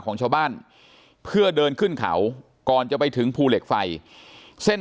ของชาวบ้านเพื่อเดินขึ้นเขาก่อนจะไปถึงภูเหล็กไฟเส้น